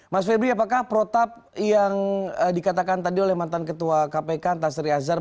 mas febri apakah protap yang dikatakan tadi oleh mantan ketua kpk tasri azhar